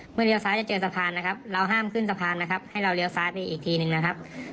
เลี้ยซ้ายจะเจอสะพานนะครับเราห้ามขึ้นสะพานนะครับให้เราเลี้ยวซ้ายนี้อีกทีหนึ่งนะครับ